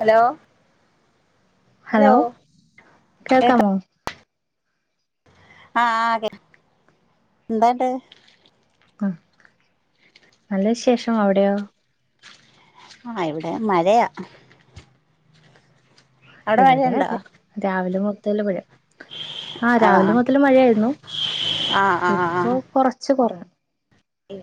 Hello hello കേൾക്കാ കേൾക്കാമോ ആഹ് അതേ എന്താണ്ട് അ നല്ല വിശേഷം അവിടെയോ? ആ ഇവിടെ മഴയാ അവിടെ ഇവിടെ മഴയുണ്ടോ അതെ രാവിലെ മൊതല് മഴേ ആഹ് ആണോ രാവിലെ മുതൽ മഴായിരുന്നു ആഹ് ഇപ്പൊ കൊറച്ച് കൊറഞ്ഞു ഉം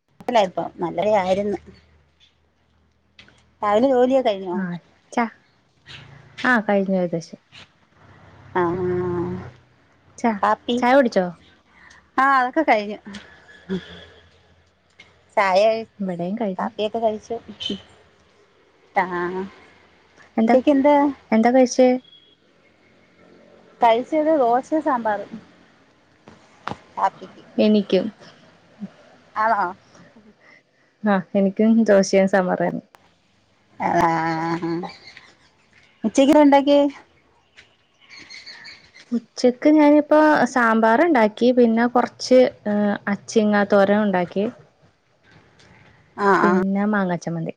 [unintelligible] മഴയായിരുന്നു രാവിലെ ജോലിയൊക്കെ കഴിഞ്ഞോ ആ ചാ ആ കഴിഞ്ഞു ഏകദേശം ആഹ ചാ ചായ കുടിച്ചോ ആഹ അതൊക്കെ കഴിഞ്ഞു ചായ ഇവിടെയും കഴിഞ്ഞു കാപ്പിയൊക്കെ കഴിച്ചു ആ എന്താ എന്താ കഴിച്ചേ കഴിച്ചത് ദോശയും സാമ്പാറും കാപ്പിക്ക് എനിക്കും ആണോ ആഹ എനിക്കും ദോശയും സാമ്പാറും ആയിരുന്നു ഉച്ചക്ക് എന്താ ഉണ്ടാക്കിയെ ഉ ഉച്ചക്ക് ഞാനിപ്പോ സാമ്പാറ ഉണ്ടാക്കി പിന്നെ കൊറച്ച് അച്ചിങ്ങാ തോര അ ഉണ്ടാക്കി ആഹ് പിന്നെ മാങ്ങാച്ചമ്മന്തി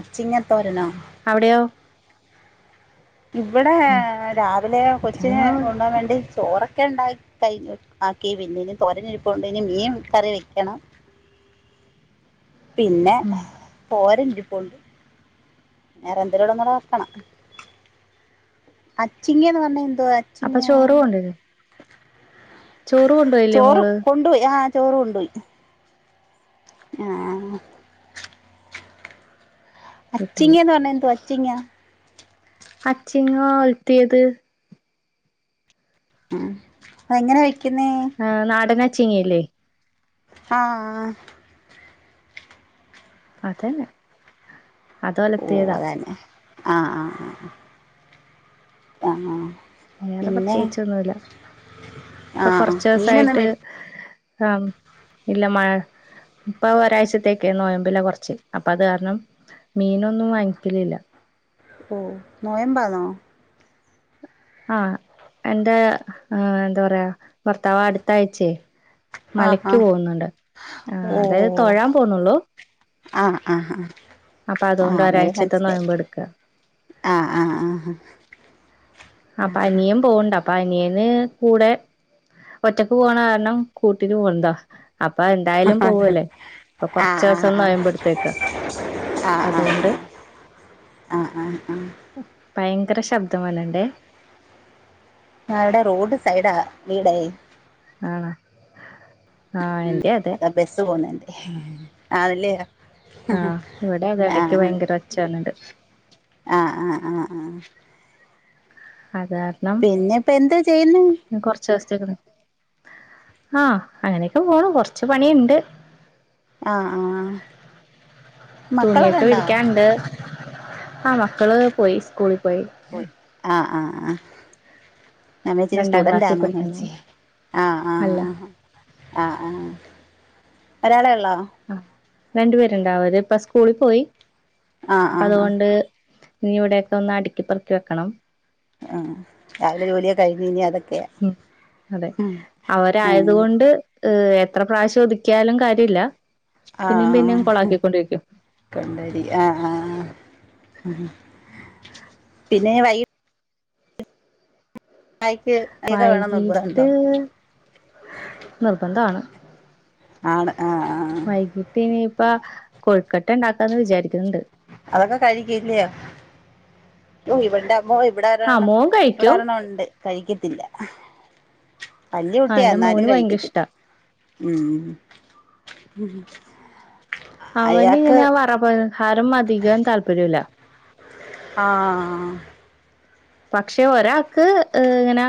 അച്ചിങ്ങ തോരനോ അവിടെയോ ഇവിടെ ഉം രാവിലെ കൊച്ചി അച്ചങ്ങ കൊണ്ട് പോവാൻ വേണ്ടി ചോറ് ഓക്കെ ഒണ്ടാക്കി ആക്കി കഴിഞ്ഞ് തോരൻ ഇരിപ്പുണ്ട് പിന്നെ ഇനി മീൻ കറി വെക്കണം പിന്നെ ഉം പോരല്ലും ഒണ്ട് വേറെ എന്തേലും കൂടെ വെക്കണം അച്ചിങ്ങ എന്ന് പറഞ്ഞ എന്തുവാ അപ്പൊ അച്ചിങ്ങ ചോറ് കൊണ്ടില്ലേ ചോറ് കൊണ്ടുപോയില്ലേ ചോറ് മോള് കൊണ്ടുപോയി ആഹ ചോറ് കൊണ്ടൊയി ആ വിട്ടുപോയി അച്ചിങ്ങന്ത പറണ എന്തോ അച്ചിങ്ങ അച്ചിങ്ങ ഒലത്തിയത് അ എങ്ങനെ വയ്ക്കുന്നെ ആ നാടൻ അച്ചിങ്ങായില്ലേ ആഹ അതന്നെ അത് ഓ ഒലത്തിയതാ അത് ആണോ അഹ് അഹ് ആ വേറെ പിന്നെ പ്രേത്യകിച്ചൊന്നുല്ല ആ ഇപ്പൊ ആ. കൊറച്ചു മീനൊന്നും ദിവസമായിട്ട് മേടി ആ ഇല്ല മഴ ഇപ്പൊ ഒരാഴ്ചത്തേക്കേ നോയമ്പില കൊറച്ച്. അപ്പൊ അത് കാരണം മീനൊന്നും വാങ്ങിക്കലില്ല ഓ നോയമ്പന്നൊ ആഹ എന്റെ എന്താ പറയാ ഭർത്താവ് അടുത്താഴ്ച്ചേ ആ ആ മലക്ക് പോകുന്നുണ്ട് ആ അതായത് തൊഴൻ പോന്നുള്ളു ആഹ ആഹ് ആഹ ആഹ അതുകൊണ്ട് അന്നേരം ഒരാഴ്ചത്തെ മനസ്സിലായി നോയമ്പ് എടുക്കുക ആ ആ ആഹ് അപ്പൊ അനിയമ്പോണുണ്ട് അപ്പ അനിയന് കൂടെ ഒറ്റക്ക് പോകണ കാരണം കൂട്ടിന് പോകണതാ അപ്പൊ എന്തായാലും പോവല്ലേ ആഹ് അപ്പൊ കൊറച്ച ദിവസം ഒന്ന് നോയമ്പ് എടുത്തേക്കാം ആഹ ആ ആ ആ ആ ഭയങ്കര ശബ്ദം വല്ലട്ടെ ആ ഇവിടെ റോഡ് സൈഡാ വീടേ ആണോ ആഹ് എന്റെ അതെ അത ബസ്സ് പോന്നന്റ ആണ്ല്ല ആഹ ആഹ് ഇവിടെ അതെ ഇടക്ക് ആഹ് ഭയങ്കര ഒച്ച വരണുണ്ട് ആഹ് ആഹ ആഹ അതാരണം പിന്നെ ഇപ്പ എന്താ ചെയ്യുന്നെ കൊറച്ചസ് ആ അങ്ങനെയൊക്കെ പോണു കൊറച്ച് പണിയുണ്ട് ആഹ് ആഹ് മക്കളൊക്കെ തുണിയക്ക ഉണ്ടോ വിരിക്കാണ്ട് ആഹ മക്കള് പോയി സ്കൂളിൽ പോയി ആ അമ്മേച്ചി രണ്ടാം സ്റ്റുഡന്റ് ക്ലാസ്സിൽ ആണോന്നോച്ച പഠിക്കുന്നു ആ് ആ ആ അല്ല ആഹ ആഹ ഒരാളെ ഉള്ളോ ആ രണ്ടു പേരുണ്ടാവര് ഇപ്പ സ്കൂളിൽ പോയി ആഹ് അപ്പൊ ആഹ് ആഹ് അതുകൊണ്ട് ഇനി ഇവിടെയൊക്കെ ഒന്ന് അടുക്കിപ്പറക്കി വെക്കണം ആഹ രാവിലെ ജോലിയ കഴിഞ്ഞ ഇനി അതൊക്കെ ഉം അതെ അവരായത ഏഹ് കൊണ്ട് ഏഹ് എത്ര പ്രാവശ്യം ഒതുക്കിയാലും കാര്യമില്ല പിന്നെയും പിന്നെയും ആഹ കൊളാക്കിക്കൊണ്ടിരിക്കും കൊണ്ടരി ആഹ ആഹ് ഉം പിന്നെ വൈ കടിയൊക്കെ വേണം വൈകിട്ട് നിർബന്ധണ്ടോ നിർബന്ധമാണ് ആണ വൈകിട്ട് ഇനിയിപ്പ കൊഴുക്കട്ട ഉണ്ടാക്കാന്ന് വിചാരിക്കുന്നുണ്ട് അതൊക്കെ കഴിക്കല്ലയോ ഇവിടന്റമ്മോ ഇവിടെ ആ ഒരണ മോൻ കഴിക്കും ഇവിടൊരണ ഒണ്ട് കഴിക്കത്തില്ല ആ വല്യകുട്ടിയ എന്റെ എന്നാലും മോന് ഭയങ്കര കഴിക്കത്തില്ല ഇഷ്ടാ ഉം ഉം അവനി ഇങ്ങനെ വറപലഹാരം അധികം താല്പര്യമില്ല ആ പക്ഷെ ഒരാൾക്ക് ഇങ്ങനെ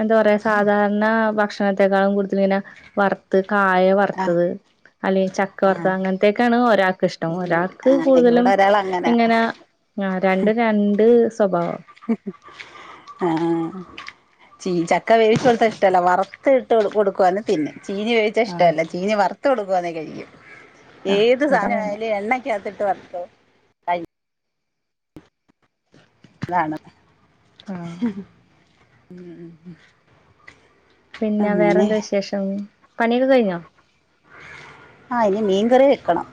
എന്താ പറയാ സാധാരണ ഭക്ഷ ഭക്ഷണത്തെേക്കാളും കൂടുതല ഇങ്ങനെ വറുത്ത് കായ ആഹ് വറുത്തത് അല്ലെ ചക്കവർത്ത ആഹ് അങ്ങനത്തക്കെയാണ് ഒരാൾക്ക് ഇഷ്ടം ഇവ് ഒരാൾക്ക് ആഹ് കൂടുതലും ഇവിടെ ഒരാള് അങ്ങനാ ഇങ്ങനെ ആ രണ്ടും രണ്ട് സ്വഭാവം ആഹ ചീ ചക്ക വേവിച്ച കൊടുത്ത ഇഷ്ടമല്ല വറുത്തി ഇട്ട കൊടുക്കുവന്ന തിന്നും ചീനി വേവിച്ചാ ആഹ് ഇഷ്ടമല്ല ചീനി വറുത്ത കൊടുത്ത കഴിക്കും ആഹ് ഏത് ഇവിടെ തന്നെ സാധനമായാലും എണ്ണക്കകത്തിട്ട് വറുത്തത് അതാണ് ആഹ് ഉ പിന്നെ വേറെന്താ വിശേഷം പണിയ കഴിഞ്ഞോ ആ ഇനി മീൻകറി വെക്കണം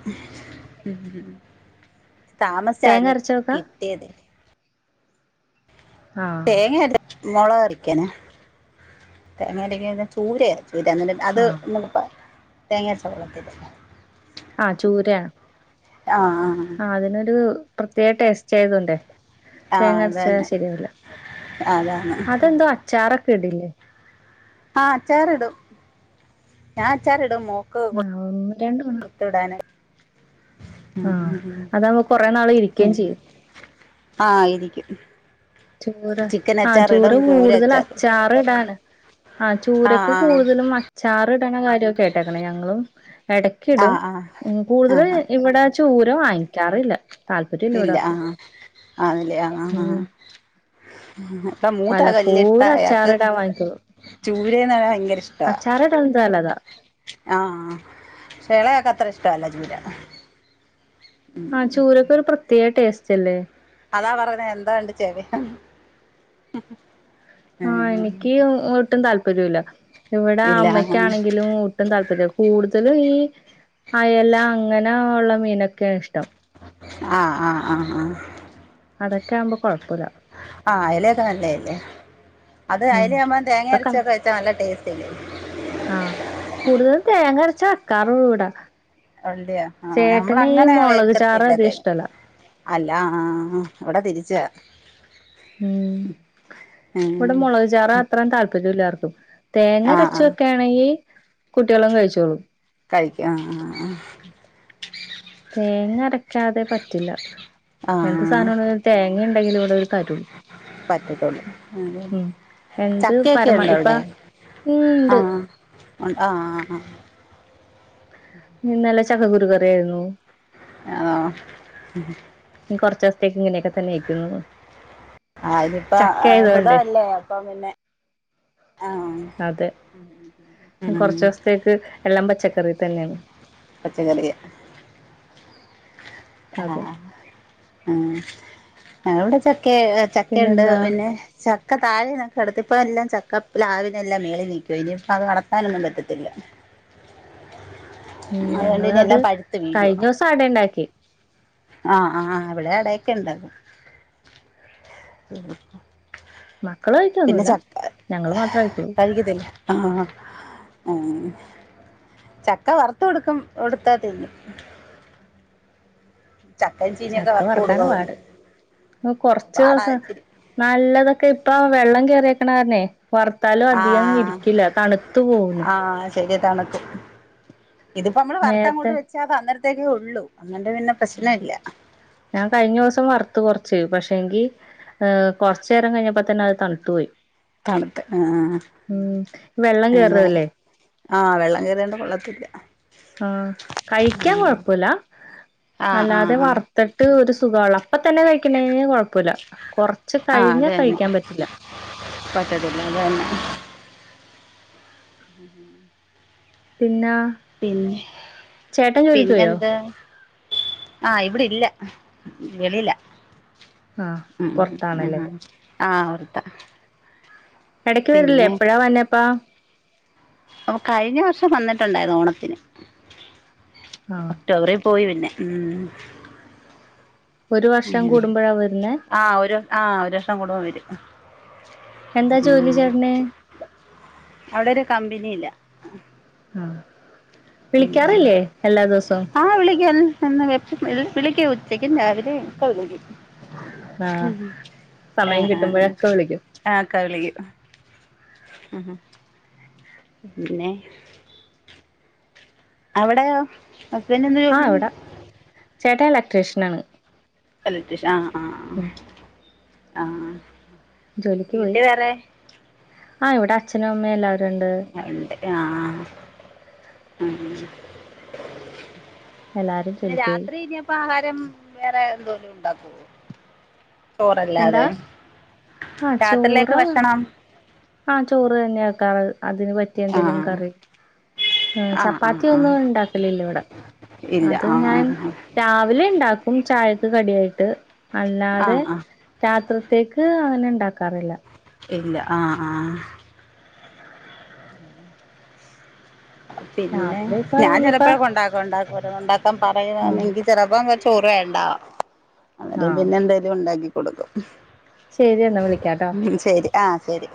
താമസിച്ച തേങ്ങ ഇന്ന് അരച്ചോക്കാ കിട്ടിയത് ആഹ് തേങ്ങ മുളക് അരിക്കന തേങ്ങ രക്ക ചൂര അത് തീരം എന്നിട്ട് അത് ആഹ് ന [inaudible] തേങ്ങാച്ചവെള്ളംത്തിീ ആഹ ചൂരയാണ് ആഹ് ആഹ് ആ അതിനൊരു പ്രത്യേക ടെസ്റ്റ് ആയ്തുണ്ട് തേങ്ങ ആഹ് അടച്ച അതന്നെ ശരിയാവല്ലേ അതാണ് അതെന്തോ അച്ചാറൊക്കെ ഇടില്ലേ ആഹ അച്ചാറിടും ഞാൻ അച്ചാറി ഇടും മോക്ക് ആഹ് ഒന്ന് രണ്ട് ടുത്തിടൻ ആഹ അത കുമ്പകൊറെ നാള് ഇരിക്കുകയും ചെയ്യും ആഹ ഇരിക്കും ചൂര ആഹ ചൂര കൂടുതൽ അച്ചാറ് ഇടാന് ആ ചൂരക്ക് കൂടുതലും അച്ചാറ് [unintelligible] കേട്ടേക്കാണേ ഞങ്ങളും എടക്ക് ആ ഇടും ആ ആ ആ കൂടുതലും ആ ഇവിടെ ച ചൂര വാങ്ങിക്കാറില്ല താല്പര്യം ഇല്ല ഇവിടെ ആ ആർക്കും ആ ഉം അപ്പ മൂത്ത കല്ല് ഇഷ്ട വല്ലപ്പോഴും അയാൾക്ക് അച്ചാറിടാൻ വാങ്ങിക്കുള്ളൂ ചൂരേന്ന ഭയങ്കര ഇഷ്ടാ അച്ചാറിടാൻ നല്ലതാ ആഹ് പക്ഷേ എളെയാൾക്ക് അത്ര ഇഷ്ടല്ലാ ചൂര ആ ചൂരക്ക് ഒരു പ്രത്യേക ടേസ്റ്റ് അല്ലേ അതാ പറഞ്ഞേ എന്താ ണ്ടേ [unintelligible] ആഹ് എനിക്ക് ഒട്ടും താല്പര്യൂല ഇവിടെ ഇല്ല അമ്മയ്ക്കാണെങ്കിലും ഊട്ടും താല്പര്യ കൂടുതലും ഈ അയല അങ്ങനെ ഉള്ള മീനൊക്കെയ ഇഷ്ടം ആഹ് ആഹ് ആഹ് ആഹ് അതൊക്കെ ആവുമ്പോ കൊഴുപ്പുല ആഹ് അയല എക്ക നല്ലയല്ലേ അത് ഉം അയലയാവുമ്പ തേങ്ങ ഇപ്പൊക്ക അരച്ചൊക്കെ വെച്ച നല്ല ടേസ്റ്റ് സ്റ്റല്ലേ ആഹ് കൂടുതലും തേങ്ങ അരച്ച വെയ്ക്കാറൊളളൂ ഇവടെ ഉള്ളിയോ ആഹ് നമ്മള് അങ്ങനെ മുളക് ചാറ് വെക്കത്തില്ല അധികം തെങ്ങ് ഇഷ്ടല്ല അല്ല ആ ഇവടെ തിരിച്ചാ ഉം ഇവിടെ ഉം മുളകചാറ് അത്രയും താല്പര്യം ഇല്ല ആർക്കും തേങ്ങ ആ അരച്ച് ആ വെയ്ക്കാണെങ്കിൽ കഴിക്കും ആഹ് തേങ്ങ അരക്ക് ക്കാതെ പറ്റില്ല ആ ആ എന്ത് ആ സാധനമാണെങ്കിലും തേങ്ങയുണ്ടെങ്കിലെ ഇവിടെ ഒരു കാര്യൊള്ളൂ പറ്റത്തൊള്ളു എന്ത് ചക്കയൊക്കെ പരമ ഉണ്ടോ ഇപ്പ അവിടെ ഉം ഉണ്ട് ഉൺ ആ ആ ഇന്നലെ ചക്കകുരു കറിയായിരുന്നു ആഹ് ഇനി കൊറച്ച് ദിവസത്തേക്ക് ഇങ്ങനെ ഒക്കെ തന്നെയിരിക്കും തോന്നുന്നു ആഹ് ഇതിപ്പ വൃതം അല്ലേ അപ്പൊ പിന്നെ ആ അതെ ഉം കുറച്ച് ദിവസത്തേക്ക് എല്ലാം പച്ച ക്കറി തന്നെയാണ് പച്ചക്കറിയാ അതെ ആഹ് ഉം ഞാൻ ഇവടെ ച ക്കെ ചക്ക ഉണ്ട് പിന്നെന്താ പിന്നെ ചക്ക താഴെ ഞാൻ കടത്തി ഇപ്പ എല്ലാം ചക്ക പ്ലാവിനെല്ലാം മേലിൽ നിക്കുവാ ഇനി ഇപ്പ അത് വളർത്താൻ ഒന്നും പത്തറ്റില്ല ഉം അതുകൊണ്ട് ഇനി ഞങ്ങളത് എല്ലാം പഴുത്ത് വീഴുവാ കഴിഞ്ഞ ദിവസം അട ഇണ്ടാക്കി ആഹ് ആഹ് ഇവിടെ എടയ്ക്കെയിണ്ട് മക്കള് കൈക്കെ ഒന്നുല ഞങ്ങള് മാത്രേ കൈക്കൊള്ളൂ കഴിക്കത്തില്ല ആഹ് ചക്ക വറുത്ത് കൊടുക്കും കൊടുത്ത തിന്നും ചക്കയും ചീനിയൊക്കെ ചക്ക വറുത്ത് വറക്കാനാ കൊടുക്കും പാട് കുറച്ച് പാടാ ദിവസം ഇച്ചിരി നല്ലതൊക്കെ ഇപ്പ വെള്ളം കേറിയക്കണ കാരണെ വറുത്താലും അധികം ആഹ് ഇരിക്കില്ല തണുത്തു പോകുന്നു ശെരിയ തണുക്കും ഇതിപ്പോ നമ്മള് നേരത്തെ വരുത്തങ്ങോട്ട് വെച്ച അത് അന്നേരത്തേക്ക് ഒള്ളു ഞാൻ കഴിഞ്ഞ ദിവസം വറുത്ത് കൊറ ച്ചു പക്ഷെ എങ്കിൽ ഏഹ് കൊറച്ചു നേരം കൈഞ്ഞപ്പ തന്നെ അത് തണുത്തു പോയി തണുത്ത് ആ ഉം വെള്ളം ആ അതെ കേറല്ലേ ആ വെള്ളം കേറിയ എന്തോ കൊള്ളത്തില്ല ആ കഴിക്കാൻ കൊഴുപ്പുല ആഹ് അല്ലാതെ ആഹ് ആഹ് വറുത്തട്ട് ഒരു സുഖാവൻള്ള അപ്പ തന്നെ കഴിക്കണേന് കൊഴുപ്പുല കൊറച്ച് കഴിഞ്ഞ കഴിക്കാൻ പറ്റില്ല പറ്റത്തില്ലതന്നെ ഉം പിന്ന പിന്നെ പിന്നെ പോയോ എന്താ ആഹ് ഇവിടെ ഇല്ല വെളിയില്ല ആഹ് ഉം ഉം പൊറത്താണല്ലേ ആ അവർതാ ഇടക്ക് വരില്ലേ എപ്പഴാ വന്നപ്പാ അപ്പൊ കഴിഞ്ഞ വർഷം വന്നിട്ടുണ്ടായിരുന്നു ഓണത്തിന് ആഹ് ഒക്ടോബറിൽ പോയി പിന്നെ ഉം ഒരു വർഷം കൂടുമ്പഴാ വരുന്നേ ആ ഒരു ആ ഒരു ദിവസ കൂടുമ്പോ വരും എന്താ ജോലി ഉം ചേട്ടന് അവിടെ ഒരു കമ്പനില്ല ആ വിളിക്കാറില്ലേ എല്ലാ ദിവസവും ആഹ് വിളിക്കും എന്ന് വിളിക്കും ഉച്ചക്കും രാവിലെ ഓക്കെ വിളിക്കും. ആഹ് ഉം സമയം ആഹ് കിട്ടുമ്പഴൊക്കെ വിളിക്കും ആഹ് ഓക്കെ വിളിക്കും ആ പിന്നെ അവിടെയോ ഹസ്ബൻറ് എന്ന് ജോലി ചേട്ടാ ഇലക്ട്രീഷ്യൻ ആണ് ഇലക്ടിഷ ആഹ് ആഹ് ആ ആ ജോലിക്ക് പോയി വീട്ടിൽ വേറെ ആ ഇവിടെ അച്ഛനും അമ്മയ എല്ലവ ഉണ്ട് ആ ആ ഉം എല്ലാരും പിന്നെ ജോലിക്ക് പോയി രാത്രി ഇനിപ്പ് ആഹാരം വേറെ എന്തോലും ഉണ്ടാക്കോ എന്താ ചോറല്ലാതെ രാത്രിയിലേക്ക് ഭക്ഷണം ആഹ് ചോറ് തന്നെ ആക്കാറ് അതിന് പറ്റി എന്തെേലും ആഹ് കറി ആ ആഹ് ആഹ് ചപ്പാത്തി ഒന്നും ആഹ് ഉണ്ടാക്കലല്ലോ ഇവിടെ ഇല്ല അത് ആഹ് ഞാൻ ആഹ് രാവിലെ ഇണ്ടാക്കും ചായ കടിയായിട്ട് അല്ലാതെ ആഹ് ആഹ് രാത്രത്തേക്ക് അങ്ങനെ ഉണ്ടാക്കാറില്ല. ഇല്ല ആ ആ പിന്നെ രാത്രി ഇപ്പ ഞാൻ ഇനിയിപ്പ ചിലപ്പോ കൊണ്ടാക്കാംണ്ട ഒ ഉണ്ടാക്കാൻ ആ പറയുകണെങ്കിൽ ചെിലപ്പോ ചോറ് വേണ്ട് ആ അങ്ങനം പിന്നെ എന്തെലും ഉണ്ടാക്കി കൊടുക്കും ശരി എന്നാ വിളിക്കാട്ടോ ഉം ശരി ആ ശരി